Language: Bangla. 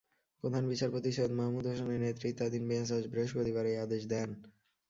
প্রধান বিচারপতি সৈয়দ মাহমুদ হোসেনের নেতৃত্বাধীন বেঞ্চ আজ বৃহস্পতিবার এ আদেশ দেন।